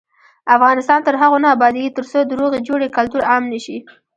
افغانستان تر هغو نه ابادیږي، ترڅو د روغې جوړې کلتور عام نشي.